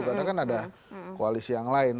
karena kan ada koalisi yang lain